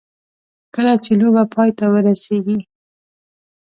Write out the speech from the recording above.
کله چې لوبه پای ته ورسېږي.